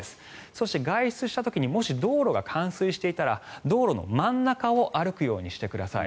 そして、外出した時にもし道路が冠水していたら道路の真ん中を歩くようにしてください。